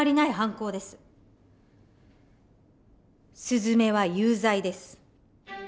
すずめは有罪です。